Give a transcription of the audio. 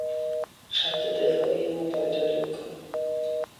خط دفاعی ما پایداری میکند.